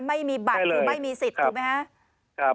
ไม่มีบัตรคือไม่มีสิทธิ์ถูกไหมครับ